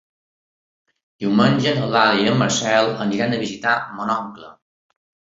Diumenge n'Eulàlia i en Marcel aniran a visitar mon oncle.